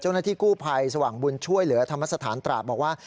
เจ้าหน้าที่กู้ภัยสว่างบุญช่วยเหลือธรรมสถานตราดบอกว่า